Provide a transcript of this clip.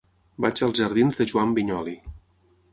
Vaig als jardins de Joan Vinyoli.